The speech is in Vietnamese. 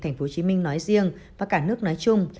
tp hcm nói riêng và cả nước nói chung